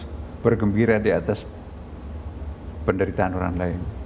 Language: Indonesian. kita bergembira di atas penderitaan orang lain